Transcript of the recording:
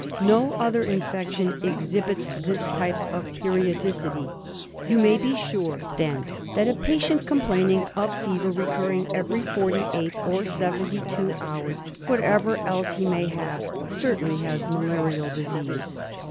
No other infection exhibits this type of periodicity. 154 DIAGNOSIS OF MALARIA. You may be sure then that a patient complaining of fever recurring every forty eight or seventy two hours, whatever else he may have, certainly has malarial disease.